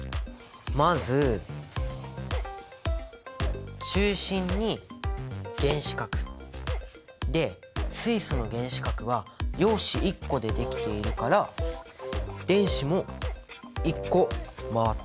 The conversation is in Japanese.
まず中心に原子核。で水素の原子核は陽子１個でできているから電子も１個回っている。